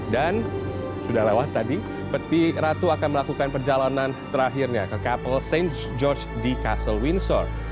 dan sudah lewat tadi peti ratu akan melakukan perjalanan terakhirnya ke kapol st george di castle windsor